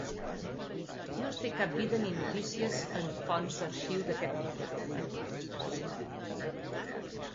No es té cap vida ni notícies en fonts d'arxiu d'aquest trobador.